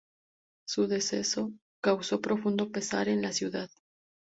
Su deceso causó profundo pesar en la ciudad.